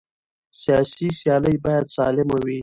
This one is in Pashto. سیاسي سیالۍ باید سالمه وي